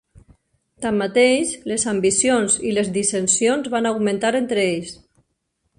Tanmateix, les ambicions i les dissensions van augmentar entre ells.